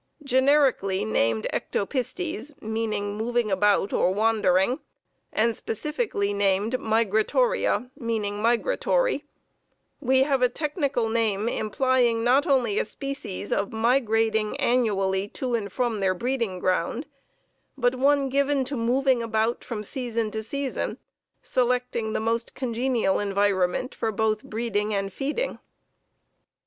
Generically named Ectopistes, meaning moving about or wandering, and specifically named Migratoria, meaning migratory, we have a technical name implying not only a species of migrating annually to and from their breeding ground, but one given to moving about from season to season, selecting the most congenial environment for both breeding and feeding.